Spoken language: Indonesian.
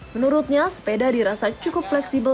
menurutnya sepeda dirasa cukup fleksibel